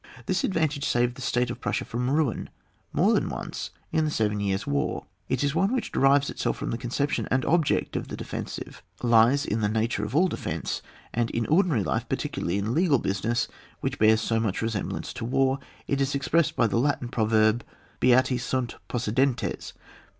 This advantage saved the State of Prussia from ruin more than once in the Seven Years' War. It is one which derives itself from the conception and object of the defensive, lies in the nature of all defence, and in ordinary life, particularly in legal busi ness which bears so much resemblance to war, it is expressed by the Latin pro verb, Beati sunt possidentes.